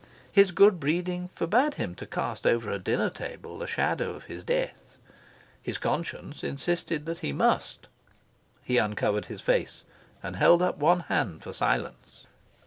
His good breeding forbade him to cast over a dinner table the shadow of his death. His conscience insisted that he must. He uncovered his face, and held up one hand for silence.